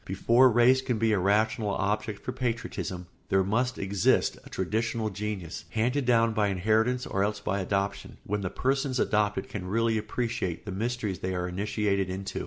Before race can be a rational object for patriotism there must exist a traditional genius, handed down by inheritance or else by adoption, when the persons adopted can really appreciate the mysteries they are initiated into.